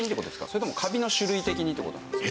それともカビの種類的にって事なんですか？